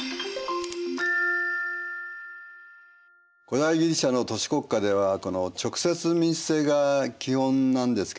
古代ギリシアの都市国家ではこの直接民主制が基本なんですけれども